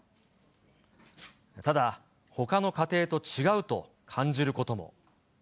ただ、ほかの家庭と違うと感じることも。